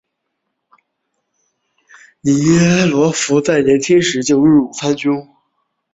尼基弗鲁斯在年轻时就入伍参军。